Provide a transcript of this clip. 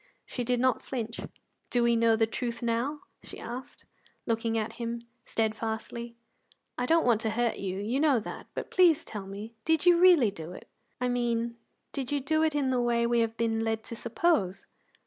She did not flinch. "Do we know the truth now?" she asked, looking at him steadfastly. "I don't want to hurt you you know that; but please tell me, did you really do it? I mean, did you do it in the way we have been led to suppose?"